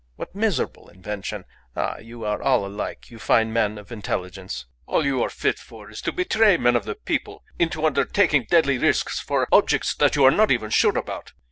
What miserable invention! Ah! you are all alike, you fine men of intelligence. All you are fit for is to betray men of the people into undertaking deadly risks for objects that you are not even sure about.